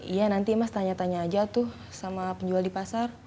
iya nanti mas tanya tanya aja tuh sama penjual di pasar